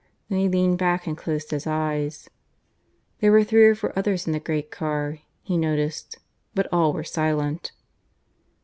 Then he leaned back and closed his eyes. There were three or four others in the great car, he noticed; but all were silent.